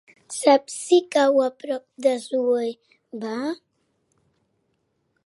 Saps si cau a prop d'Assuévar?